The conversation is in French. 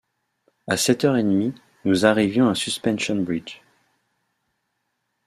À sept heures et demie, nous arrivions à Suspension-Bridge.